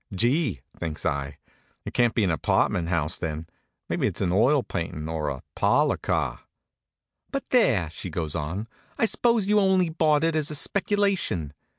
"Gee!" thinks I. "It can't be an apartment house, then. Maybe it's an oil paintin', or a parlor car." "But there!" she goes on. "I suppose you only bought it as a speculation.